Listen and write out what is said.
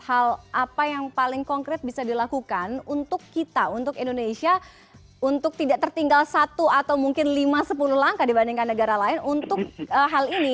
hal apa yang paling konkret bisa dilakukan untuk kita untuk indonesia untuk tidak tertinggal satu atau mungkin lima sepuluh langkah dibandingkan negara lain untuk hal ini